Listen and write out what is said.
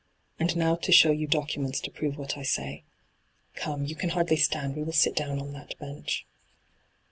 And now to show you docu ments to prove what I say. Come, you can hardly stand ; we will sit down on that bench.'